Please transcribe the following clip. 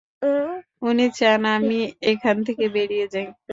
উনি চান আমি এখান থেকে বেরিয়ে যাই?